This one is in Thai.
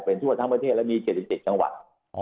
เป็นทั่วทั้งประเทศและมี๗๗จังหวัด